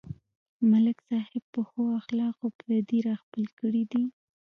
ملک صاحب په ښو اخلاقو پردي راخپل کړي دي.